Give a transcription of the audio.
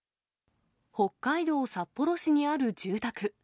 北海道札幌市にある住宅。